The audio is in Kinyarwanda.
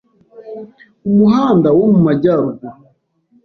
Umuhanda wo mu majyaruguru